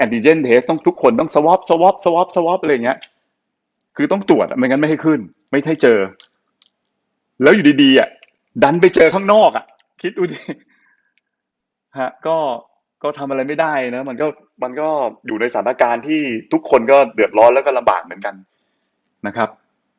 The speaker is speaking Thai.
ต้องทุกคนต้องสวอปสวอปสวอปสวอปอะไรอย่างเงี้ยคือต้องตรวจอ่ะไม่งั้นไม่ให้ขึ้นไม่ใช่เจอแล้วอยู่ดีดีอ่ะดันไปเจอข้างนอกอ่ะคิดดูดิฮะก็ทำอะไรไม่ได้นะมันก็มันก็อยู่ในสถานการณ์ที่ทุกคนก็เดือดร้อนแล้วก็ลำบากเหมือนกันนะครับ